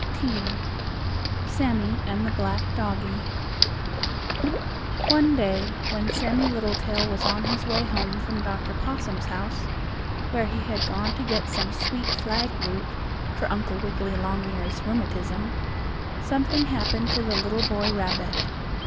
XVIII SAMMIE AND THE BLACK DOGGIE One day, when Sammie Littletail was on his way home from Dr. Possum's house, where he had gone to get some sweet flag root, for Uncle Wiggily Longear's rheumatism, something happened to the little boy rabbit.